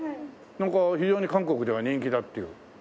なんか非常に韓国では人気だっていう。